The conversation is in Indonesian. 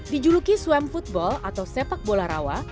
dijuluki swam football atau sepak bola rawa